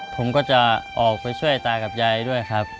ผมก็จะออกไปช่วยตากับยายด้วยครับ